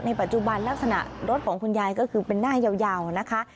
ปัจจุบันลักษณะรถของคุณยายก็คือเป็นหน้ายาวนะคะ